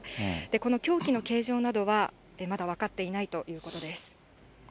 この凶器の形状などはまだ分かっていないということです。